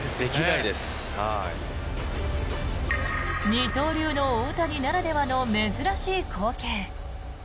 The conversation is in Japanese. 二刀流の大谷ならではの珍しい光景。